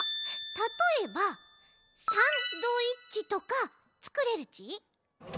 たとえばサンドイッチとかつくれるち？